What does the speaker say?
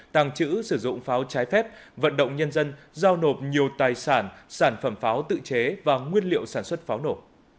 tàng trữ sử dụng pháo trái phép vận động nhân dân giao nộp nhiều tài sản sản phẩm pháo tự chế và nguyên liệu sản xuất pháo nổ